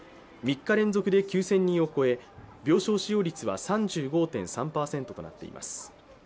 ３日連続で９０００人を超え、病床使用率は３５．３％となっています。